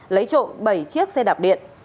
lấy trộm bảy chiếc xe đạp điện